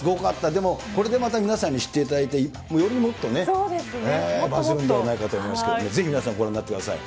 でもこれでまた皆さんに知っていただいて、よりもっとね、バズるんではないかと思いますが、ぜひ皆さんご覧になってください。